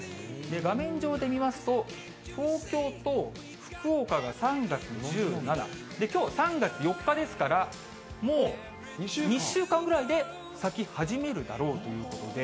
画面上で見ますと、東京と福岡が３月１７、きょう３月４日ですから、もう２週間ぐらいで咲き始めるだろうということで。